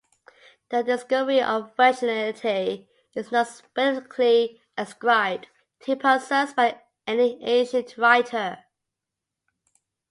The discovery of irrationality is not specifically ascribed to Hippasus by any ancient writer.